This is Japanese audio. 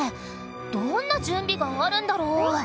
どんな準備があるんだろう？